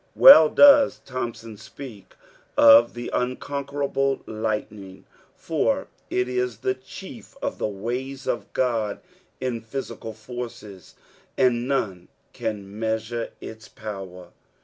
Well does Thompson speak of " the unconquerable lightning," for it is the chief of the wajB of Ood tn physical forces, and none can meaaura its power.